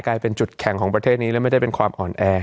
จะเป็นจุดแข่งของประเทศนี้และไม่ได้เป็นความอ่อนแอ